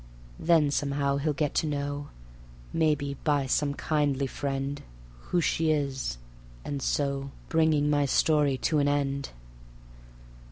Then somehow he'll get to know (Maybe by some kindly friend) Who she is, and so ... and so Bring my story to an end.